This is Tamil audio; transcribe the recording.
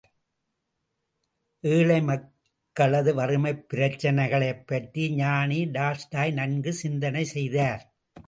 ஏழை மக்களது வறுமைப் பிரச்னைகளைப் பற்றி ஞானி டால்ஸ்டாய் நன்கு சிந்தனை செய்தார்.